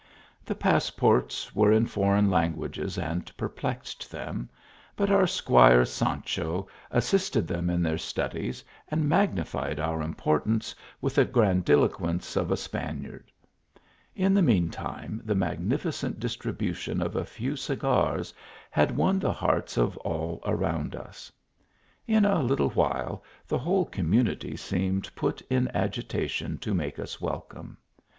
The passports were in foreign languages and perplexed them, but our .Squire Sancho assisted them in their studies, and magnified our importance with the grandiloquence of a Spaniard. In the mean time the magnificent distribution of a few cigars had won the hearts of all around us. In a little while the whole commu nity seemed put in agitation to make us welcome.